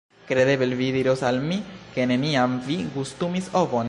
Kredeble vi diros al mi ke neniam vi gustumis ovon?